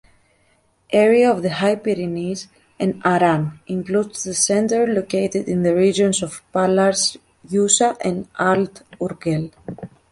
Area of the High Pyrenees and Arán: includes the centers located in the regions of Pallars Jussá and Alt Urgell.